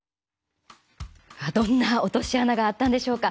どんな落とし穴があったんでしょうか。